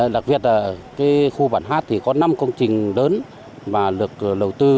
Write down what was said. đặc biệt là khu bản hát thì có năm công trình lớn mà được đầu tư